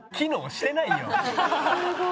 すごい！